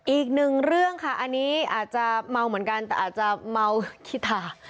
อีกหนึ่งเรื่องค่ะอันนี้อาจจะเมาเหมือนกันแต่อาจจะเมาคิถา